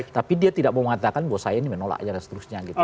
tapi dia tidak mau mengatakan bahwa saya ini menolak aja dan seterusnya gitu